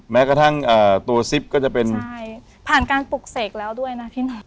แม้กระทั่งตัวซิปก็จะเป็นใช่ผ่านการปลุกเสกแล้วด้วยนะพี่หน่อย